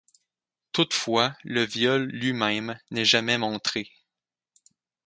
Toutefois le viol lui-même n'est jamais montré.